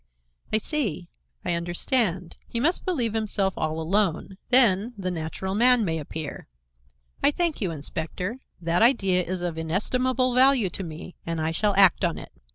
"I see; I understand. He must believe himself all alone; then, the natural man may appear. I thank you, Inspector. That idea is of inestimable value to me, and I shall act on it.